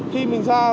khi mình ra